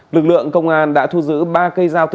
lực lượng công an đã thu giữ ba cây dao